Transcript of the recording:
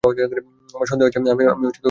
আমার সন্দেহ আছে, আমি জিজ্ঞেস করতে পারি?